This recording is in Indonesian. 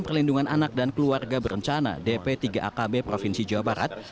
perlindungan anak dan keluarga berencana dp tiga akb provinsi jawa barat